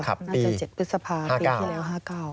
น่าจะ๗พฤษภาปีที่แล้ว๕๙